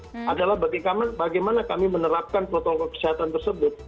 yang adalah bagaimana kami menerapkan protokol kesehatan tersebut